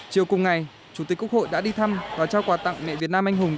chiều cùng ngày chủ tịch quốc hội đã đi thăm và trao quà tặng mẹ việt nam anh hùng